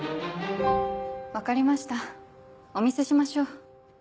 分かりましたお見せしましょう。